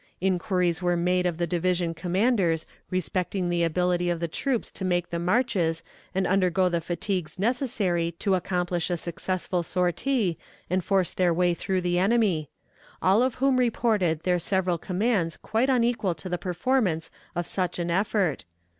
Inquiries were made of the division commanders respecting the ability of the troops to make the marches and undergo the fatigues necessary to accomplish a successful sortie and force their way through the enemy; all of whom reported their several commands quite unequal to the performance of such all effort.